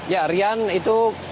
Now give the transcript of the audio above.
ya rian itu